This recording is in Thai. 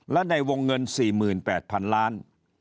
และในวงเงิน๔๘๐๐๐ล้าน